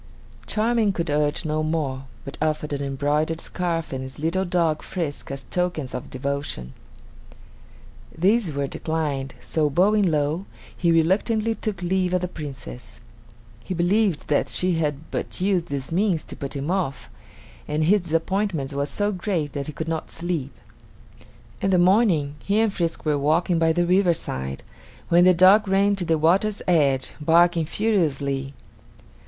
Charming could urge no more, but offered an embroidered scarf and his little dog Frisk as tokens of devotion. These were declined, so bowing low, he reluctantly took leave of the Princess. He believed that she had but used this means to put him off, and his disappointment was so great that he could not sleep. In the morning he and Frisk were walking by the riverside when the dog ran to the water's edge, barking furiously.